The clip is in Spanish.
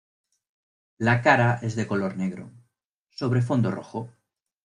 La cara es de color negro, sobre fondo rojo.